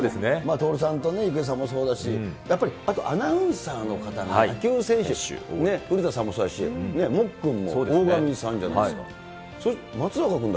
徹さんと郁恵さんもそうだし、やっぱりあとアナウンサーの方が野球選手、古田さんもそうだし、もっくんも大神さんじゃないですか。